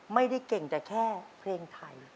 ไม่ได้เก่งแต่แค่เพลงไทย